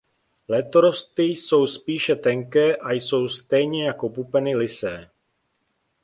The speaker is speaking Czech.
Letorosty jsou spíše tenké a jsou stejně jako pupeny lysé.